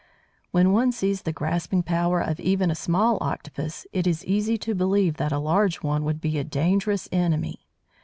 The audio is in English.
When one sees the grasping power of even a small Octopus, it is easy to believe that a large one would be a dangerous enemy.